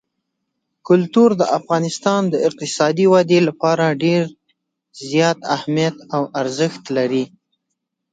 کلتور د افغانستان د اقتصادي ودې لپاره ډېر زیات اهمیت او ارزښت لري.